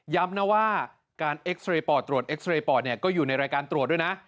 นะว่าการเอ็กซ์เรย์ปอดตรวจเอ็กซาเรย์ปอดเนี่ยก็อยู่ในรายการตรวจด้วยนะ